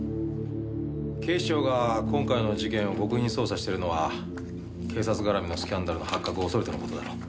警視庁が今回の事件を極秘に捜査しているのは警察絡みのスキャンダルの発覚を恐れての事だろう。